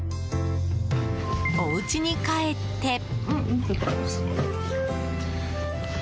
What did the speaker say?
おうちに帰って。